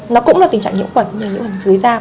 nó cũng là tình trạng nhiễm khuẩn như nhiễm khuẩn dưới da